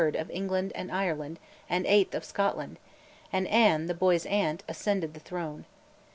of England and Ireland and VIII, of Scotland; and Anne, the boy's aunt, ascended the throne.